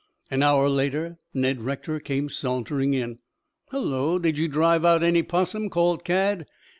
An hour later Ned Rector came sauntering in. "Hullo, did you drive out any 'possum?" called Cad.